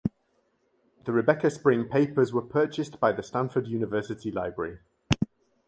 The Rebecca Spring papers were purchased by the Stanford University Library.